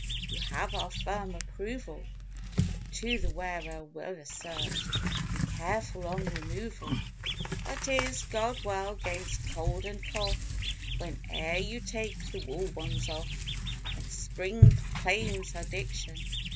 You have our firm approval. But to the wearer we'll assert— Be careful on removal; That is, guard well 'gainst cold and cough When e'er you take the wool ones off. When Spring proclaims her diction.